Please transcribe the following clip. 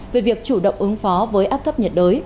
về việc chủ động ứng phó với áp thấp nhiệt đới